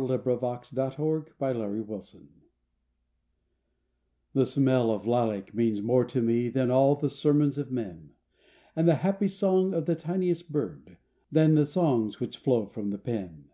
44 LIFE WAVES SERMON FROM NATURE The smell of a lilac means more to me, Than all the sermons of men, And the happy song of the tiniest bird, Then the .songs which flow from the pen.